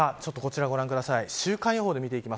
こちらをご覧ください。